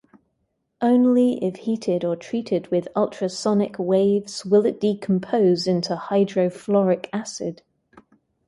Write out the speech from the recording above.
Only if heated or treated with ultrasonic waves will it decompose into hydrofluoric acid.